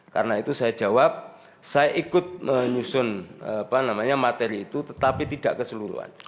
karena itu saya jawab saya ikut menyusun materi itu tetapi tidak keseluruhan